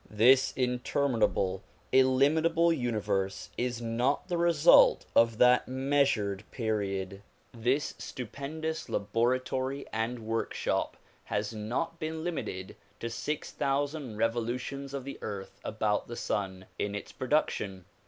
This interminable, illimitable universe is not the result of that measured period. This stupendous laboratory and workshop has not been limited to six thousand revolutions of the earth about the sun, in its production.